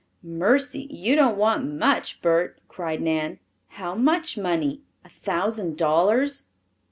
"Mercy, you don't want much, Bert," cried Nan. "How much money a thousand dollars?"